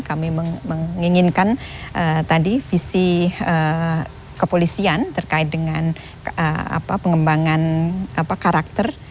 kami menginginkan tadi visi kepolisian terkait dengan pengembangan karakter